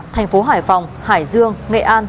thành phố hải phòng hải dương nghệ an